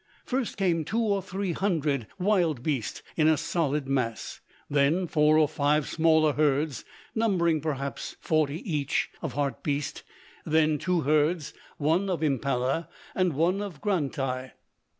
First came two or three hundred wildbeest in a solid mass; then four or five smaller herds, numbering perhaps forty each, of hartbeest; then two herds, one of mpallah and one of grantii.